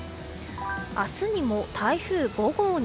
明日にも台風５号に。